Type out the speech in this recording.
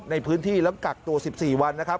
ในพื้นที่แล้วกักตัว๑๔วันนะครับ